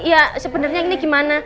ya sebenernya ini gimana